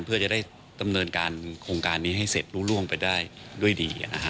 เพื่อจะได้ดำเนินการโครงการนี้ให้เสร็จล่วงไปได้ด้วยดี